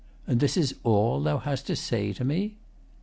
And this is all thou hast to say to me?